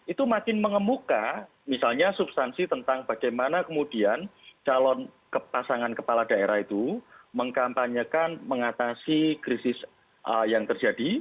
itu makin mengemuka misalnya substansi tentang bagaimana kemudian calon pasangan kepala daerah itu mengkampanyekan mengatasi krisis yang terjadi